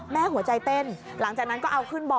หัวใจเต้นหลังจากนั้นก็เอาขึ้นบ่อ